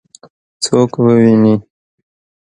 څوک وویني؟